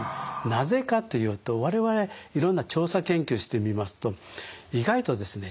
なぜかというと我々いろんな調査研究してみますと意外とですね